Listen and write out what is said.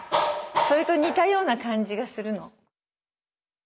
それと似たような感じがするの。